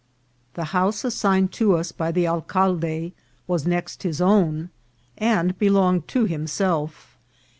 The house assigned to us by the alcalde was next hid own, and belonged to himself.